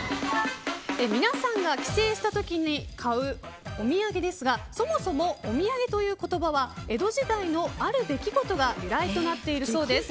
皆さんが帰省した時に買うお土産ですがそもそもお土産という言葉は江戸時代のある出来事が由来となっているそうです。